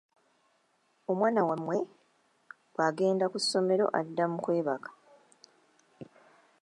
Omwana wammwe bw’agenda ku ssomero adda mu kwebaka.